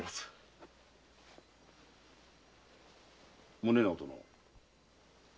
宗直殿。